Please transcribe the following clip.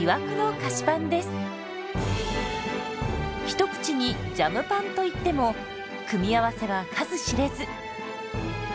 一口に「ジャムパン」といっても組み合わせは数知れず。